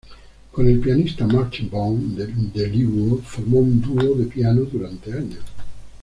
Con el pianista Maarten Bon, De Leeuw formó un dúo de piano durante años.